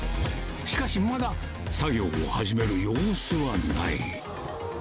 しかし、まだ作業を始める様子はない。